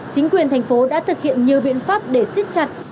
chính quyền thành phố đã thực hiện nhiều biện pháp để siết chặt